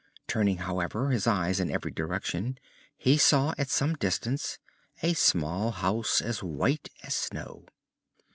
Turning, however, his eyes in every direction, he saw, at some distance, a small house as white as snow.